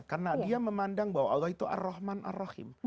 karena dia memandang bahwa allah itu ar rahman ar rahim